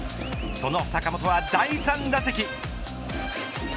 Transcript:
その坂本は第３打席。